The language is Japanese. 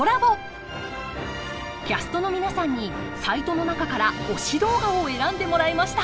キャストの皆さんにサイトの中から推し動画を選んでもらいました。